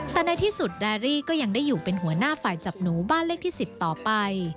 แต่ในที่สุดแดรี่ก็ยังได้อยู่เป็นหัวหน้าฝ่ายจับหนูบ้านเลขที่๑๐ต่อไป